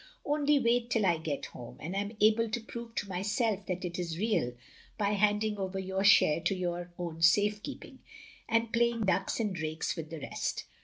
Only wait till I get home, and am able to prove to myself that it is real, by handing over your share to your own safe keeping, and playing ducks and drakes with the rest!